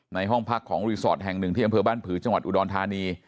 ห้องพักของรีสอร์ทแห่งหนึ่งที่อำเภอบ้านผือจังหวัดอุดรธานี